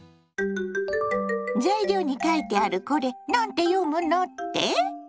材料に書いてあるこれ何て読むのって？